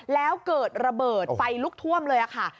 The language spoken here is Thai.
แล้วเกิดระเบิดไฟลุกท่วมเลยค่ะ